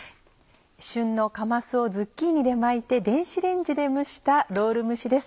旬のかますをズッキーニで巻いて電子レンジで蒸したロール蒸しです。